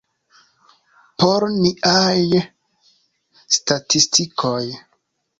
Por niaj statistikoj.